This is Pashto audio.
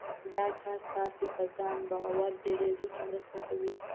دا کار ستاسې په ځان باور ډېرېدو کې مرسته کوي.